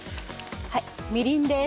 はいみりんです。